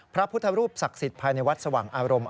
พระพุทธรูปศักดิ์สิทธิ์ภายในวัดสว่างอารมณ์